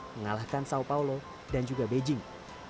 mengalahkan sau paulo dan juga beijing